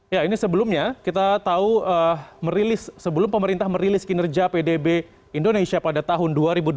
ya ini sebelumnya kita tahu merilis sebelum pemerintah merilis kinerja pdb indonesia pada tahun dua ribu dua puluh